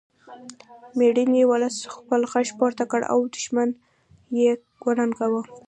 میړني ولس خپل غږ پورته کړ او دښمن یې وننګاوه